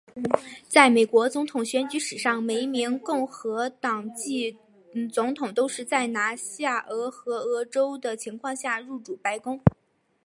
在美国总统选举史上每一名共和党籍总统都是在拿下俄亥俄州的情况下入主白宫。